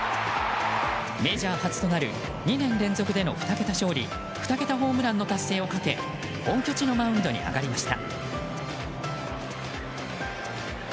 メジャー初となる２年連続での２桁勝利２桁ホームランの達成をかけ本拠地のマウンドに上がりました。